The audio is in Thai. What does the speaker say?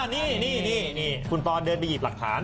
นี่คุณปอนเดินไปหยิบหลักฐาน